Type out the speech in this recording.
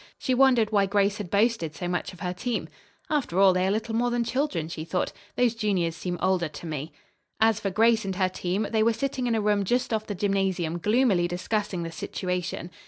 She wondered why Grace had boasted so much of her team. "After all, they are little more than children," she thought. "Those juniors seem older to me." As for Grace and her team they were sitting in a room just off the gymnasium gloomily discussing the situation.